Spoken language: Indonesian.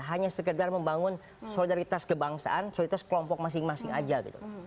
hanya sekedar membangun solidaritas kebangsaan solidaritas kelompok masing masing aja gitu